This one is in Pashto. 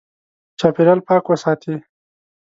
چاپېریال پاک وساتې.